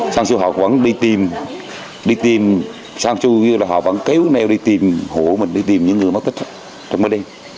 sang chú họ vẫn đi tìm sang chú họ vẫn kéo nèo đi tìm hộ mình đi tìm những người mất tích trong đêm